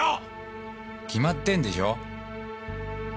決まってんでしょ。